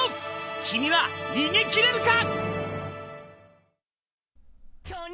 君は逃げ切れるか！？